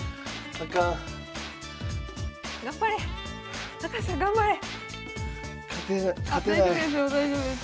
あ大丈夫ですよ大丈夫です。